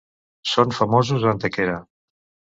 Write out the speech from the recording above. Són famosos a Antequera.